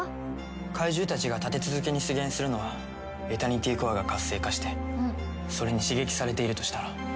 怪獣たちが立て続けに出現するのはエタニティコアが活性化してそれに刺激されているとしたら。